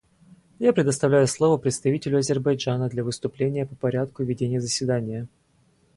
Я предоставляю слово представителю Азербайджана для выступления по порядку ведения заседания.